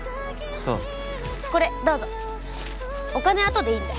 ああこれどうぞお金あとでいいんで